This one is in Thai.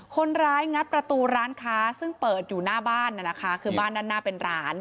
งัดประตูร้านค้าซึ่งเปิดอยู่หน้าบ้านนะคะคือบ้านด้านหน้าเป็นร้าน